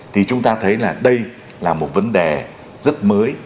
thì chúng ta thấy là đây là một vấn đề rất mới